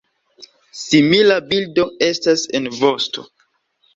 Simila bildo estas en vosto.